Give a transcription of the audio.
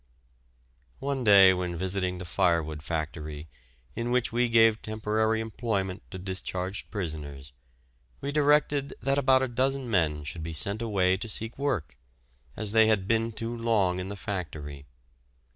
One day, when visiting the firewood factory, in which we gave temporary employment to discharged prisoners, we directed that about a dozen men should be sent away to seek work, as they had been too long in the factory.